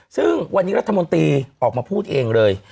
ซึ่งวันนี้รัฐมนตรีออกมาพูดเองเลย